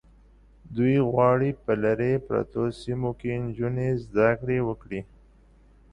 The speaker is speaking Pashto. دوی غواړي په لرې پرتو سیمو کې نجونې زده کړې وکړي.